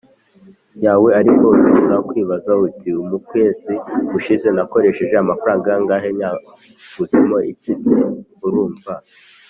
yawe Ariko ushobora kwibaza uti mu kwezi gushize nakoresheje amafaranga angahe Nayaguzemo iki Ese urumva